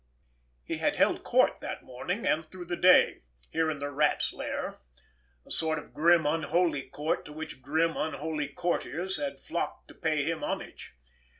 He had held court that morning and through the day, here in the Rat's lair—a sort of grim, unholy court to which grim, unholy courtiers had flocked to pay him homage.